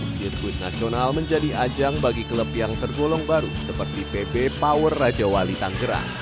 sirkuit nasional menjadi ajang bagi klub yang tergolong baru seperti pb power raja wali tanggerang